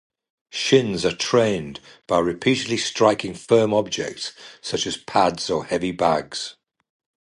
Shins are trained by repeatedly striking firm objects, such as pads or heavy bags.